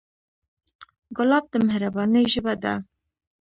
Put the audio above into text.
ګلاب د مهربانۍ ژبه ده.